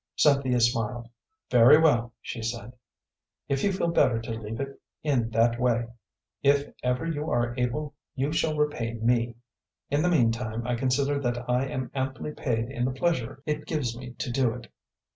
Cynthia smiled. "Very well," she said, "if you feel better to leave it in that way. If ever you are able you shall repay me; in the mean time I consider that I am amply paid in the pleasure it gives me to do it."